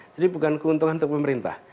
jadi bukan keuntungan untuk pemerintah